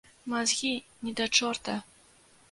Мазгі ні да чорта!